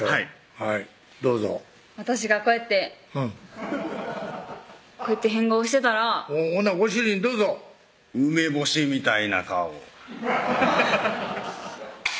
はいどうぞ私がこうやってこうやって変顔してたらご主人どうぞ「梅干しみたいな顔」